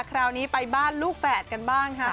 คราวนี้ไปบ้านลูกแฝดกันบ้างค่ะ